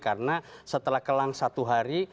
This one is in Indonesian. karena setelah kelang satu hari